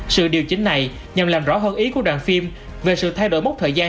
sự điều chỉnh này nhằm làm rõ hơn ý của đoàn phim về sự thay đổi mốc thời gian